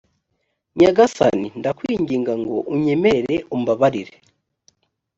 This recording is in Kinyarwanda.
nyagasani ndakwinginga ngo unyemerere umbabarire